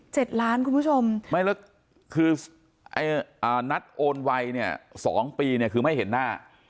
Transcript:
ล้านคุณผู้ชมไม่แล้วคือไอ้อ่านัดโอนไวเนี่ยสองปีเนี่ยคือไม่เห็นหน้า